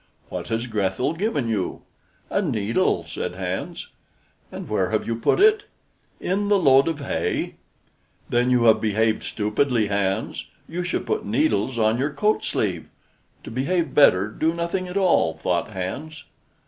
"What has Grethel given you?" "A needle," said Hans. "And where have you put it?" "In the load of hay." "Then you have behaved stupidly, Hans; you should put needles on your coat sleeve." "To behave better, do nothing at all," thought Hans.